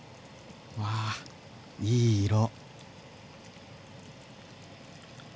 わあいい色。